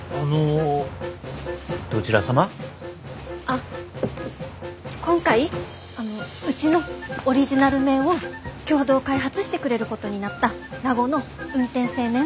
あっ今回うちのオリジナル麺を共同開発してくれることになった名護の運天製麺さんです。